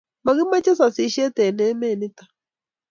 makimache sasishet eng emet nitok